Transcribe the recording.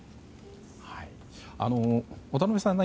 渡辺さん